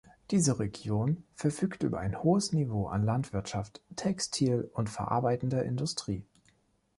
Diese Region verfügt über ein hohes Niveau an Landwirtschaft, Textil- und verarbeitender Industrie.